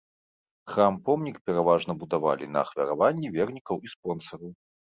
Храм-помнік пераважна будавалі на ахвяраванні вернікаў і спонсараў.